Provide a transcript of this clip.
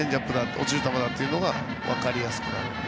落ちる球だというのが分かりやすくなるので。